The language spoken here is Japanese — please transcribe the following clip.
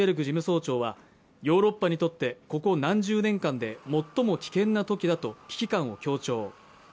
事務総長はヨーロッパにとってここ何十年間で最も危険な時だと危機感を強調